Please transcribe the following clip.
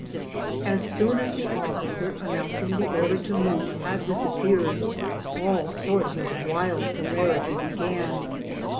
As soon as the officer announcing the order to move had disappeared, all sorts of wild hilarity began.